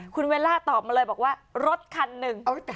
คุณเวลาตอบมาเลยบอกว่ารถคันหนึ่ง